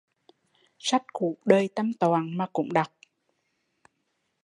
Sách cũ đời Tam Toạng mà cũng đọc